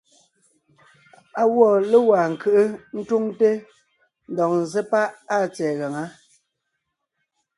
Á gwɔ́ légwá ńkʉ́ʼʉ ńtúŋte ńdɔg ńzsé páʼ áa tsɛ̀ɛ gaŋá.